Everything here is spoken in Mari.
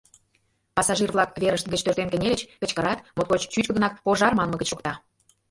Пассажир-влак верышт гыч тӧрштен кынельыч, кычкырат, моткоч чӱчкыдынак «пожар» манме гыч шокта.